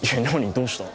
どうしたの？